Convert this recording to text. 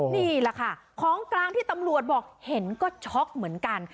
นี่แหละค่ะของกลางที่ตำรวจบอกเห็นก็ช็อกเหมือนกัน